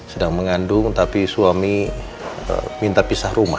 sedang mengandung tapi suami minta pisah rumah